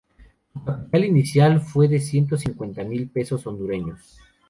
Su capital inicial fue de ciento cincuenta mil pesos hondureños.